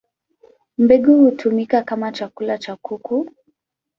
Mbegu hutumika kama chakula cha kuku.